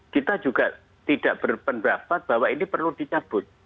kita juga tidak berpendapat bahwa ini perlu dicabut